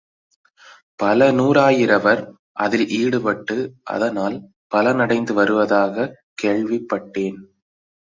பல நூறாயிரவர் அதில் ஈடுபட்டு அதனால் பலன் அடைந்து வருவதாகக் கேள்விப்பட்டேன்.